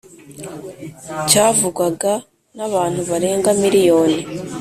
Cyavugwaga n’abantu barenga miriyoni